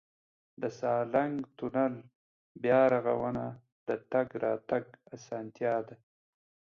د سالنګ تونل بیا رغونه د تګ راتګ اسانتیا ده.